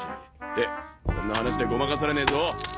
ってそんな話でごまかされねえぞ。